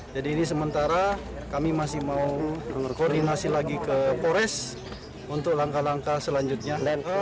jadi ini sementara kami masih mau koordinasi lagi ke pores untuk langkah langkah selanjutnya